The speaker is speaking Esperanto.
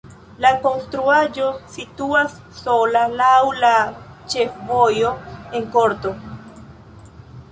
La konstruaĵo situas sola laŭ la ĉefvojo en korto.